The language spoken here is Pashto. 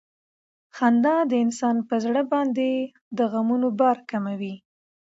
خندا د انسان پر زړه باندې د غمونو بار کموي.